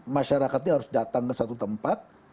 masyarakatnya harus datang ke satu tempat